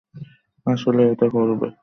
আসলেই এটা করবে?